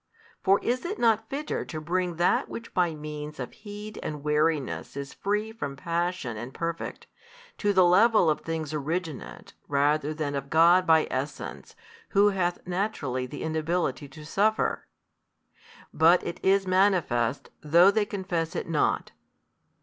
For is it not fitter to bring that which by means of heed and wariness is free from passion and perfect, to the level of things originate rather than of God by Essence Who hath Naturally the inability to suffer? But it is manifest, though they confess it not.